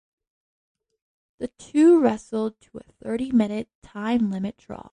The two wrestled to a thirty-minute time limit draw.